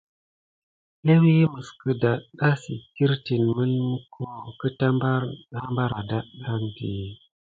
Léwi mis gəldada sit kirti mimeko keta bana bar adati.